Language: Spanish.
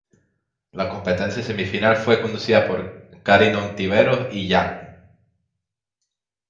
La Competencia Semifinal fue conducida por Karin Ontiveros y Jan.